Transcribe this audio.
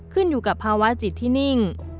ขึ้นอยู่กับภาวะจิตที่นิ่ง